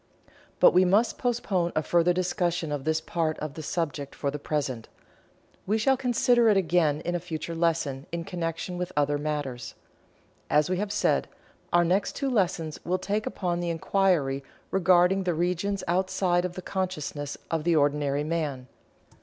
But we must postpone a further discussion of this part of the subject for the present. We shall consider it again in a future lesson in connection with other matters. As we have said, our next two lessons will take upon the inquiry regarding the regions outside of the consciousness of the ordinary man.